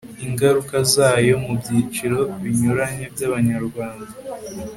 ingaruka zayo mu byiciro binyuranye by'abanyarwanda